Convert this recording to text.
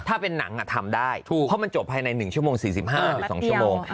ถ้าเป็นหนังทำได้ถูกเพราะมันจบภายใน๑ชั่วโมง๔๕หรือ๒ชั่วโมง